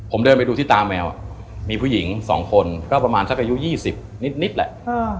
ผมเดินไปดูที่ตาแมวมีผู้หญิง๒คนก็ประมาณสักอายุ๒๐นิดแหละ